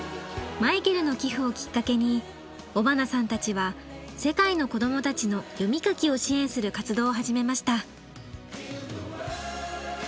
マイケルの寄付をきっかけに尾花さんたちは世界の子どもたちの読み書きを支援する活動を始めました。